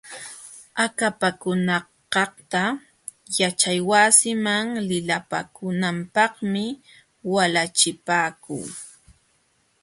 Akapakunakaqta yaćhaywasiman lipakunanpaqmi walachipaakuu.